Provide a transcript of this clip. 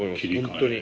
本当に。